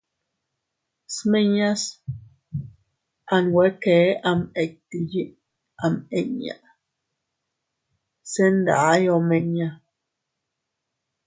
Smiñas a nwe kee ama itti yiʼi am inña, se nday omiña.